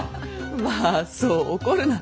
まぁそう怒るな。